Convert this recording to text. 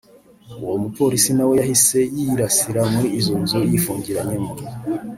uwo mupolisi na we yahise yirasira muri iyo nzu yifungiranyemo